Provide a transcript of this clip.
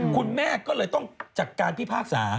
คุณแม่ก็เลยต้องจากการพิพากษา